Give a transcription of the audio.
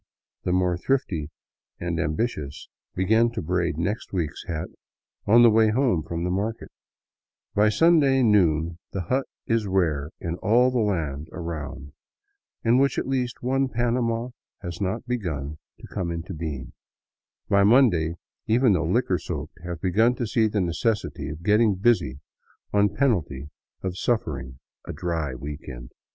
The more thrifty and am io6 DOWN THE ANDES TO QUITO bilious begin to braid next week's hat on the way home from market By Sunday noon the hut is rare in all the land around in which at least one " panama " has not begun to come into being ; by Monday even the liquor soaked have begun to see the necessity of getting busy, on penalty of suffering a dry week end.